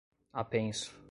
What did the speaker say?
apenso